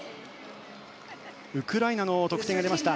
ウクライナの得点が出ました。